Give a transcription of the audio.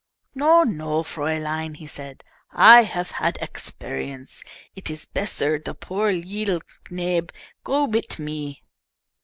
"No, no, fraulein," he said. "I have had eggsperience. It is besser the poor leedle knabe go mit me!"